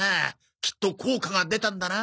きっと効果が出たんだな。